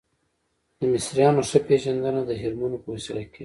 د مصریانو ښه پیژندنه د هرمونو په وسیله کیږي.